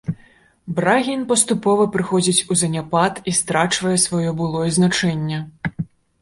Брагін паступова прыходзіць у заняпад і страчвае сваё былое значэнне.